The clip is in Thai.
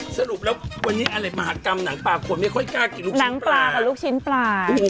สรุปแล้ววันนี้อะไรมหากรรมหนังปลาคนไม่ค่อยกล้ากินลูกหนังปลากับลูกชิ้นปลา